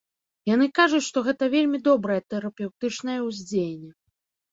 Яны кажуць, што гэта вельмі добрае тэрапеўтычнае ўздзеянне.